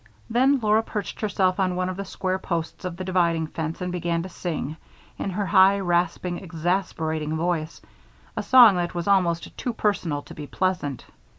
Then Laura perched herself on one of the square posts of the dividing fence and began to sing in her high, rasping, exasperating voice a song that was almost too personal to be pleasant.